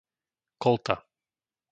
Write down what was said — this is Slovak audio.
Kolta